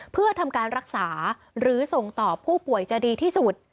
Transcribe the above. เพื่อทำการรักษาหรือส่งต่อผู้ป่วยจะดีที่สุด